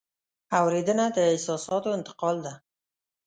اورېدنه د احساساتو انتقال ده.